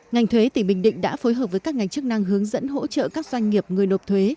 ngành thuế tỉnh bình định đã phối hợp với các ngành chức năng hướng dẫn hỗ trợ các doanh nghiệp người nộp thuế